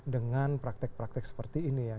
dengan praktek praktek seperti ini ya